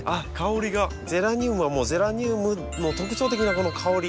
ゼラニウムはもうゼラニウムの特徴的なこの香り。